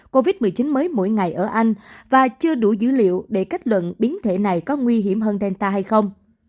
covid một mươi chín mới mỗi ngày ở anh và chưa đủ dữ liệu để kết luận biến thể này có nguy hiểm hơn delta hay không